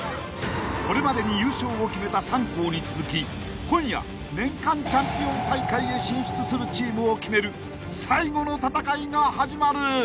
［これまでに優勝を決めた３校に続き今夜年間チャンピオン大会へ進出するチームを決める最後の戦いが始まる］